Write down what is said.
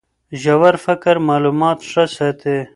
ژور فکر معلومات ښه ساتي.